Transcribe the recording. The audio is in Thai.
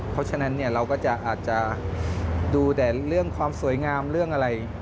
เพราะฉะนั้นเราก็อาจจะดูแต่เรื่องความสวยงามเรื่องอะไร